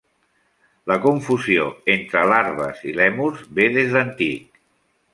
La confusió entre larves i lèmurs ve des d'antic.